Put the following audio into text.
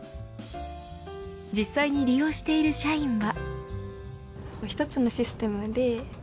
実際に利用している社員は。